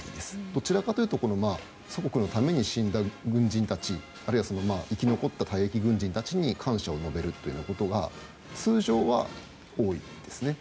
どちらかというと祖国のために死んだ軍人たち生き残った退役軍人たちに感謝を述べるということが通常は多いですね。